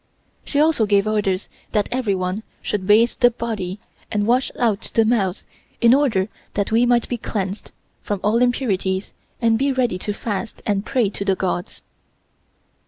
She also gave orders that everyone should bathe the body and wash out the mouth in order that we might be cleansed from all impurities and be ready to fast and pray to the Gods.